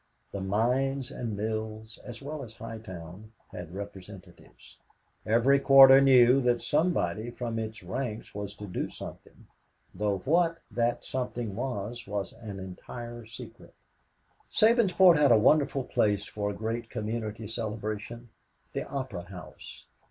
The mines and mills, as well as High Town, had representatives. Every quarter knew that somebody from its ranks was to do something, though what that something was was an entire secret. Sabinsport had a wonderful place for a great community celebration the Opera House.